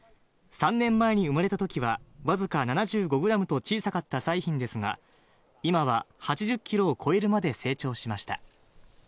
３年前に産まれたときは、僅か７５グラムと小さかった彩浜ですが、今は８０キロを超えるまで成長しました。